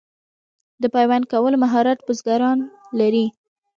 د پیوند کولو مهارت بزګران لري.